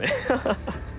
ハハハ。